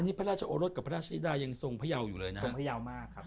นี่พระราชโอรสกับพระราชนิดายังทรงพยาวอยู่เลยนะทรงพยาวมากครับ